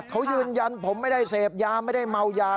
เขายืนยันผมไม่ได้เสพยาไม่ได้เมายา